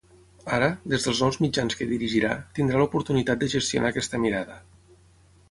Ara, des dels nous mitjans que dirigirà, tindrà l’oportunitat de gestionar aquesta mirada.